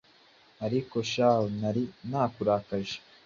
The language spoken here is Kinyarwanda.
ati ariko shahu nari nakurakaje